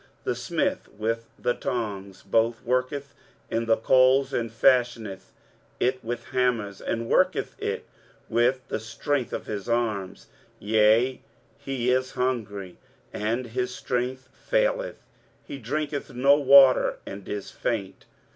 23:044:012 The smith with the tongs both worketh in the coals, and fashioneth it with hammers, and worketh it with the strength of his arms: yea, he is hungry, and his strength faileth: he drinketh no water, and is faint.